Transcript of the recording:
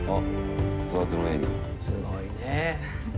すごいね。